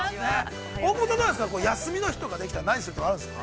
大久保さんは、どうですか休みの日とかできたら何するとかあるんですか。